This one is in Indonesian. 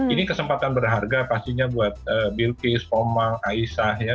ini kesempatan berharga pastinya buat bill kiss poma aisyah